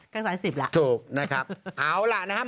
ข้างซ้ายสิบแล้วถูกนะครับเอาล่ะนะครับ